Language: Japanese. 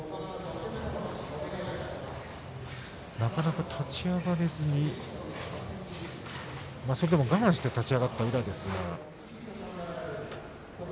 なかなか立ち上がれずにそれでも我慢して立ち上がったようですね。